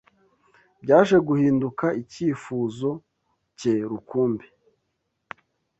byaje guhinduka icyifuzo cye rukumbi,